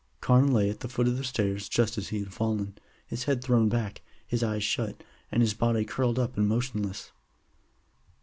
Carne lay at the foot of the stairs just as he had fallen, his head thrown back, his eyes shut, and his body curled up and motionless.